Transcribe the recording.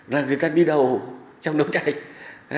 rồi người ta đi đầu trong đấu tranh